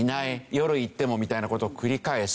夜行ってもみたいな事を繰り返す。